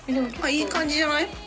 いい感じじゃない？